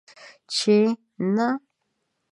چې نه!